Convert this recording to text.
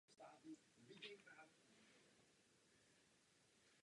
I když to bylo zpočátku považováno za chybu v kompilátoru.